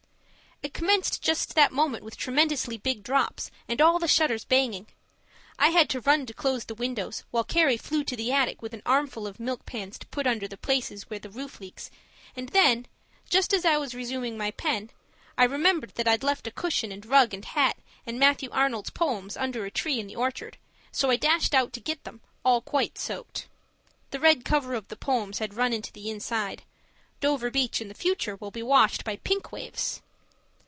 It commenced just that moment with tremendously big drops and all the shutters banging. I had to run to close the windows, while Carrie flew to the attic with an armful of milk pans to put under the places where the roof leaks and then, just as I was resuming my pen, I remembered that I'd left a cushion and rug and hat and Matthew Arnold's poems under a tree in the orchard, so I dashed out to get them, all quite soaked. The red cover of the poems had run into the inside; Dover Beach in the future will be washed by pink waves.